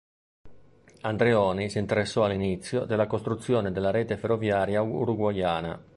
Andreoni si interessò all'inizio della costruzione della rete ferroviaria uruguaiana.